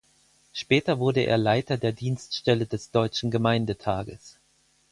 Später wurde er Leiter der Dienststelle des Deutschen Gemeindetages.